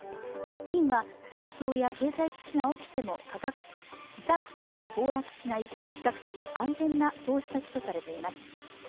金は戦争や経済危機が起きても資産価格が暴落しない比較的安全な投資先とされています。